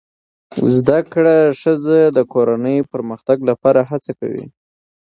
زده کړه ښځه د کورنۍ پرمختګ لپاره هڅې کوي